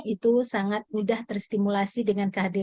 itu sangat mudah terstimulasi dengan keadaan